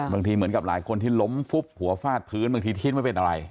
บางทีเหมือนกับหลายคนที่ล้มฟุบหัวฟาดพื้นบางทีทิ้งไม่เป็นอะไร